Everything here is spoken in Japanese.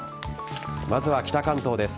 まずは北関東です。